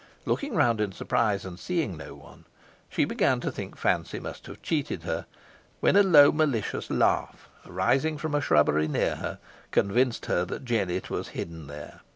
Looking round in surprise, and seeing no one, she began to think fancy must have cheated her, when a low malicious laugh, arising from a shrubbery near her, convinced her that Jennet was hidden there.